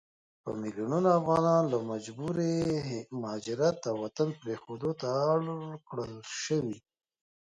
په ميلونونو افغانان له مجبوري مهاجرت او وطن پريښودو ته اړ کړل شوي